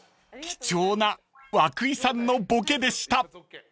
［貴重な和久井さんのボケでした］